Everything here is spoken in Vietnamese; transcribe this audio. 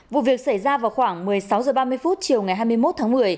vụ việc xảy ra vào khoảng một mươi sáu h ba mươi chiều ngày hai mươi một tháng một mươi